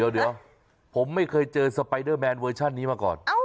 เดี๋ยวผมไม่เคยเจอสไปเดอร์แมนเวอร์ชันนี้มาก่อน